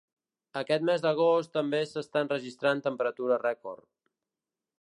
Aquest mes d’agost també s’estan registrant temperatures rècord.